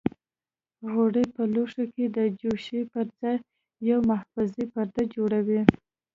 غوړي په لوښي کې د جوشې پر پاسه یو محافظوي پرده جوړوي.